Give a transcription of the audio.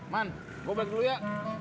man gue balik dulu ya